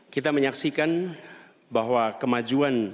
kita menyaksikan bahwa kemajuan